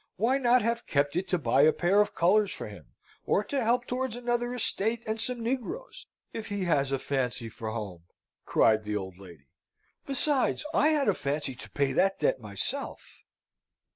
Why not have kept it to buy a pair of colours for him, or to help towards another estate and some negroes, if he has a fancy for home?" cried the old lady. "Besides, I had a fancy to pay that debt myself."